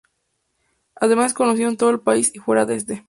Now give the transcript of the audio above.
Además es conocido en todo el país y fuera de este.